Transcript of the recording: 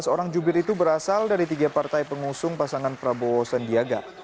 dua belas orang jubir itu berasal dari tiga partai pengusung pasangan prabowo sandiaga